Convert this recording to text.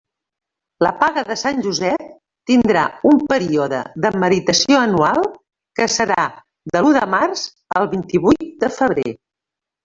La paga de Sant Josep tindrà un període de meritació anual, que serà de l'u de març al vint-i-huit de febrer.